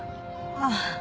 ああ。